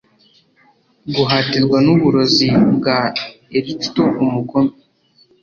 guhatirwa nuburozi bwa Erichto umugome